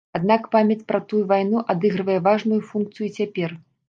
Аднак памяць пра тую вайну адыгрывае важную функцыю і цяпер.